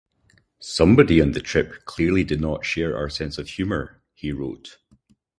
"Somebody on the trip clearly did not share our sense of humour," he wrote.